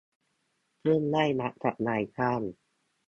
ซึ่งได้รับจากนายจ้าง